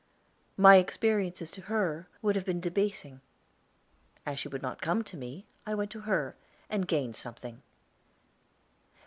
My experiences to her would have been debasing. As she would not come to me, I went to her, and gained something.